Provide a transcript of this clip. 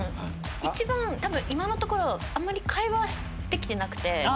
一番多分今のところあんまり会話できてなくて。